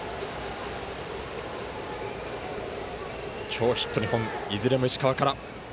今日ヒット２本いずれも石川から。